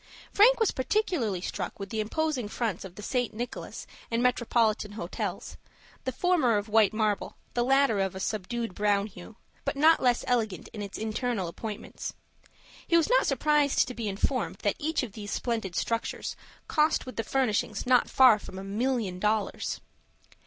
Frank was particularly struck with the imposing fronts of the St. Nicholas and Metropolitan Hotels, the former of white marble, the latter of a subdued brown hue, but not less elegant in its internal appointments. He was not surprised to be informed that each of these splendid structures cost with the furnishing not far from a million dollars.